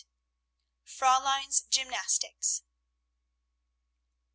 FRÄULEIN'S GYMNASTICS.